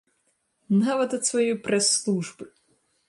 Нават ад сваёй прэс-службы!